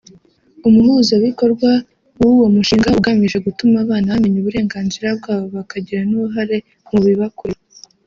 umuhuzabikorwa w’uwo mushinga ugamije gutuma abana bamenya uburenganzira bwabo bakagira n’uruhare mu bibakorerwa